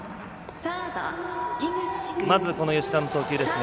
まず吉田の投球ですね。